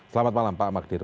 selamat malam pak maktir